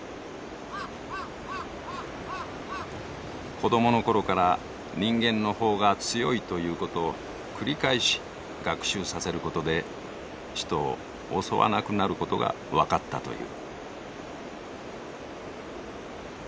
子どものころから人間のほうが強いということを繰り返し学習させることで人を襲わなくなることが分かったという。